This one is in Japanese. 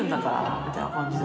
みたいな感じで。